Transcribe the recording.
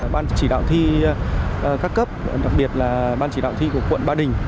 ban chỉ đạo thi các cấp đặc biệt là ban chỉ đạo thi của quận ba đình